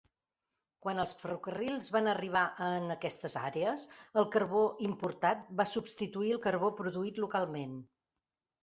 Quan els ferrocarrils van arribar a en aquestes àrees, el carbó importat va substituir el carbó produït localment.